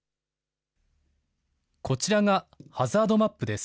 こちらがハザードマップです。